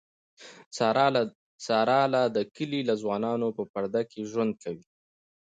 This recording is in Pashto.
ساره له د کلي له ځوانانونه په پرده کې ژوند کوي.